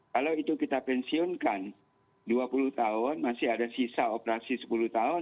kalau itu kita pensiunkan dua puluh tahun masih ada sisa operasi sepuluh tahun